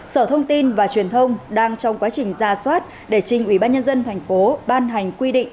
sở thông tin và truyền thông đang trong quá trình ra soát để trình ubnd tp ban hành quy định